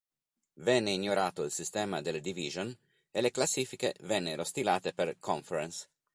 Venne ignorato il sistema delle "Division" e le classifiche vennero stilate per "Conference".